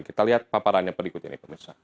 kita lihat paparan yang berikut ini